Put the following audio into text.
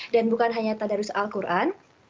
dan bukan hanya tadarus al quran